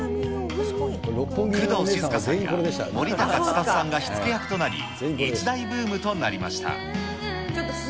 工藤静香さんや森高千里さんが火つけ役となり、一大ブームとなりました。